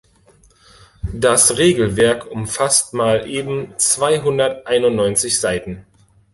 Das Regelwerk umfasst mal eben zweihunderteinundneunzig Seiten.